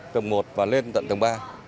tầng một và lên tầng ba